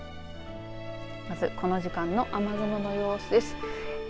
まずこの時間の雨雲の様子です。